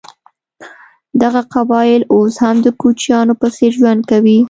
دغه قبایل اوس هم د کوچیانو په څېر ژوند کوي.